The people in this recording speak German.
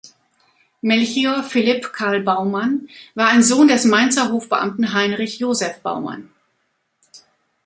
Melchior Philipp Karl Baumann war ein Sohn des Mainzer Hofbeamten Heinrich Josef Baumann.